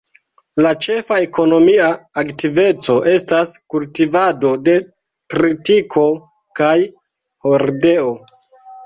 La ĉefa ekonomia aktiveco estas kultivado de tritiko kaj hordeo.